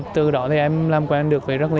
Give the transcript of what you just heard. từ đó thì em làm quen được với rất nhiều